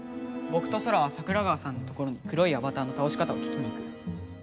ぼくとソラは桜川さんのところに黒いアバターのたおし方を聞きに行く。